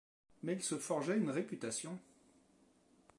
Mais il se forgeait une réputation.